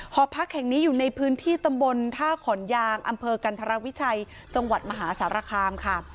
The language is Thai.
หอพักแห่งนี้อยู่ในพื้นที่ตำบลท่าขอนยางอำเภอกันธรวิชัยจังหวัดมหาสารคามค่ะ